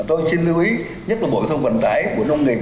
tôi xin lưu ý nhất là bộ vận tải bộ nông nghiệp